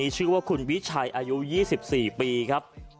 ชื่อว่าคุณวิชัยอายุ๒๔ปีครับ